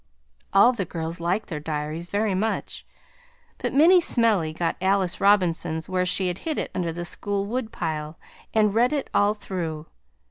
All the girls like their dairies very much, but Minnie Smellie got Alice Robinson's where she had hid it under the school wood pile and read it all through.